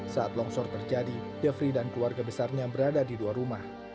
saat longsor terjadi defri dan keluarga besarnya berada di dua rumah